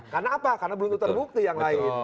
karena apa karena belum terbukti yang lain